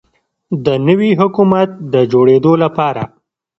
د نوي حکومت د جوړیدو لپاره